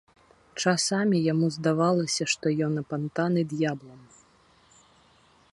Часамі яму здавалася, што ён апантаны д'яблам.